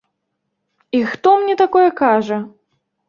І хто мне такое кажа?